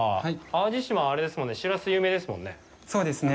淡路島は、あれですもんね、シラスが有名ですもんね？